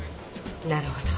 なるほど。